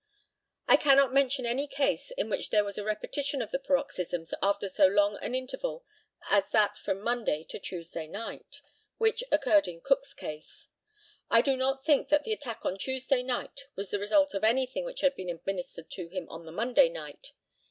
I cannot mention any case in which there was a repetition of the paroxysms after so long an interval as that from Monday to Tuesday night, which occurred in Cook's case. I do not think that the attack on Tuesday night was the result of anything which had been administered to him on the Monday night.